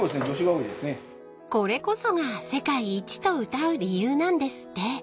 ［これこそが世界一とうたう理由なんですって］